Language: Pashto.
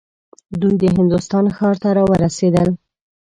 دوی د هندوستان ښار ته راورسېدل.